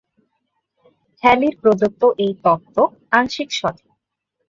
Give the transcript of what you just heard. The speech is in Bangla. হ্যালির প্রদত্ত এই তত্ত্ব আংশিক সঠিক।